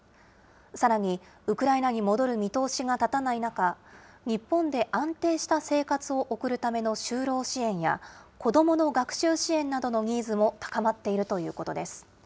さらに、ウクライナに戻る見通しが立たない中、日本で安定した生活を送るための就労支援や、子どもの学習支援などのニーズも高まっているということです。